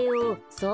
そう。